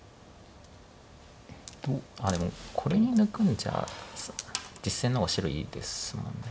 でもこれに抜くんじゃ実戦の方が白いいですもんね。